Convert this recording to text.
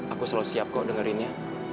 aku selalu siap kok dengerinnya